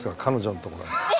彼女のところへ。